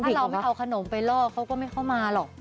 ถ้าเราไม่เอาขนมไปล่อเขาก็ไม่เข้ามาหรอก